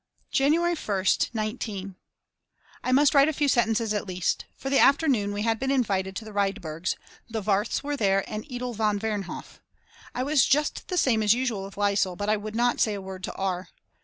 January 1st, 19 . I must write a few sentences at least. For the afternoon we had been invited to the Rydberg's the Warths were there and Edle von Wernhoff!! I was just the same as usual with Lisel but I would not say a word to R.